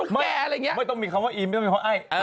ไม่ต้องมีคำว่าอีกไม่ต้องมีคำว่าไอ